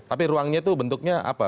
tapi ruangnya itu bentuknya apa